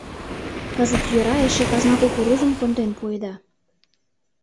Кызыт йӧра эше казна кукурузым конден пуэда.